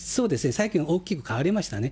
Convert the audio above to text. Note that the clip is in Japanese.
最近大きく変わりましたね。